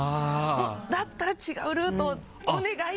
だったら違うルートお願い！